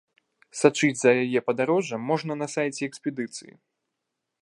Сачыць за яе падарожжам можна на сайце экспедыцыі.